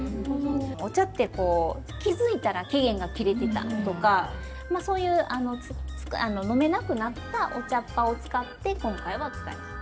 お茶ってこう気付いたら期限が切れてたとかそういう飲めなくなったお茶っぱを使って今回は使います。